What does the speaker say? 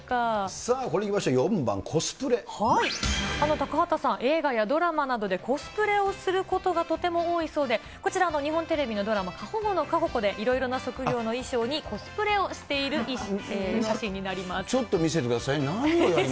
さあ、これいきましょう、高畑さん、映画やドラマなどでコスプレをすることがとても多いそうで、こちら日本テレビのドラマ、過保護のカホコで、いろいろな職業の衣装にコスプレをしてちょっと見せてください。